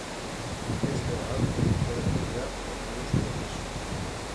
Este balance puede cambiar por varios procesos.